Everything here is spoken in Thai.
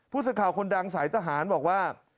ผู้สื่อข่าวคนดังสายทหารบอกว่า